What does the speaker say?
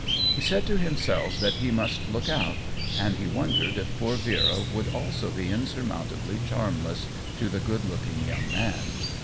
He said to himself that he must look out, and he wondered if poor Vera would also be insurmountably charm less to the good looking young man.